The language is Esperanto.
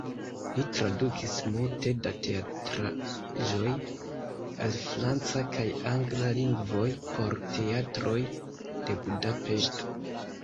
Li tradukis multe da teatraĵoj el franca kaj angla lingvoj por teatroj de Budapeŝto.